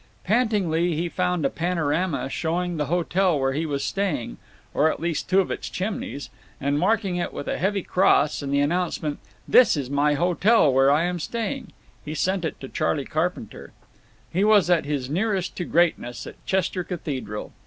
Pantingly, he found a panorama showing the hotel where he was staying—or at least two of its chimneys—and, marking it with a heavy cross and the announcement "This is my hotel where I am staying," he sent it to Charley Carpenter. He was at his nearest to greatness at Chester Cathedral.